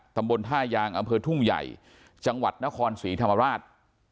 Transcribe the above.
ตำบลท่ายางอำเภอทุ่งใหญ่จังหวัดนครศรีธรรมราช